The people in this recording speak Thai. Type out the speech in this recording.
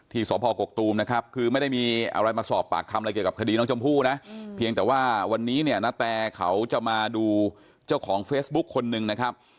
สพกกตูมนะครับคือไม่ได้มีอะไรมาสอบปากคำอะไรเกี่ยวกับคดีน้องชมพู่นะเพียงแต่ว่าวันนี้เนี่ยณแตเขาจะมาดูเจ้าของเฟซบุ๊คคนหนึ่งนะครับ